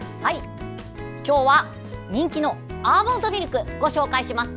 今日は人気のアーモンドミルクをご紹介します。